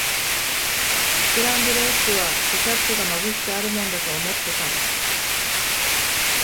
スクランブルエッグは、ケチャップがまぶしてあるもんだと思ってた。